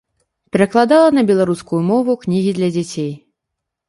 Перакладала на беларускую мову кнігі для дзяцей.